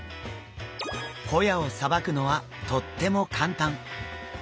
ホヤをさばくのはとっても簡単。